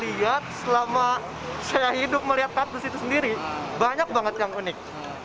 lihat selama saya hidup melihat kaktus itu sendiri banyak banget yang unik